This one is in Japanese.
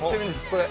これ。